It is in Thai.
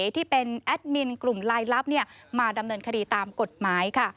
ที่เป็นแอดมินกลุ่มลายลับมาดำเนินคดีตามกฎหมาย